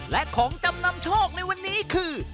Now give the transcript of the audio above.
และของจำนำโชคในวันนี้คือ